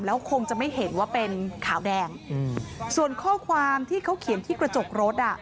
แล้วคงจะไม่เห็นว่าเป็นขาวแดงส่วนข้อความที่เขาเขียนที่กระจกรถอ่ะ